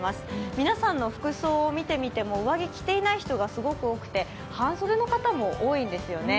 皆さんの服装を見てみても、上着を着てない方がすごく多くて、半袖の方も多いんですよね。